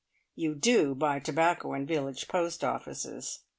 (You do buy tobacco in village post offices!)